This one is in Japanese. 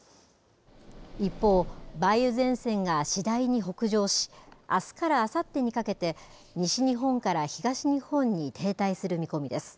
一方、梅雨前線が次第に北上し、あすからあさってにかけて、西日本から東日本に停滞する見込みです。